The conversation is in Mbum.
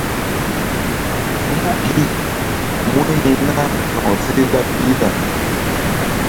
Mu gi mú hi̧ na sawseh laɓ pihna.